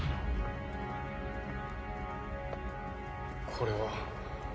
これは？